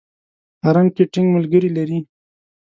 حرم کې ټینګ ملګري لري.